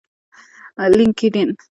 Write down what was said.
لینکډین